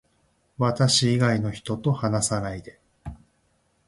私以外の人と話さないで